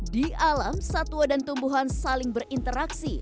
di alam satwa dan tumbuhan saling berinteraksi